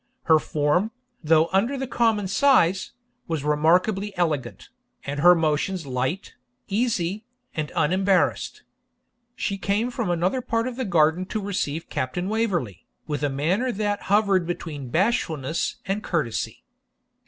Her form, though under the common size, was remarkably elegant, and her motions light, easy, and unembarrassed. She came from another part of the garden to receive Captain Waverley, with a manner that hovered between bashfulness and courtesy.